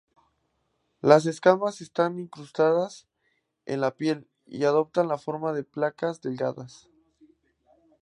Las escamas están incrustadas en la piel y adoptan la forma de placas delgadas.